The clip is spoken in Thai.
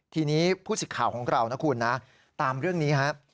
ทีนี้ผู้สิทธิ์ข่าวของเรานะคุณนะตามเรื่องนี้ครับ